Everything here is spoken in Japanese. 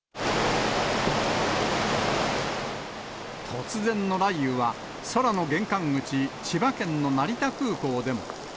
突然の雷雨は、空の玄関口、千葉県の成田空港でも。